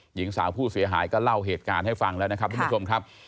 หญิงสาวผู้เสียหายก็เล่าเหตุการณ์ให้ฟังแล้วนะครับทุกผู้ชมครับ